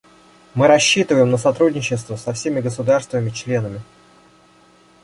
Мы рассчитываем на сотрудничество со всеми государствами-членами.